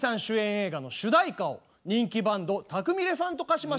映画の主題歌を人気バンド「たくみレファントカシマシ」。